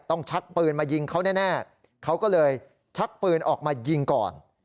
ชักปืนมายิงเขาแน่เขาก็เลยชักปืนออกมายิงก่อน